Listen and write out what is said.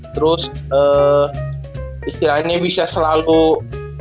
terus istilahnya bisa selalu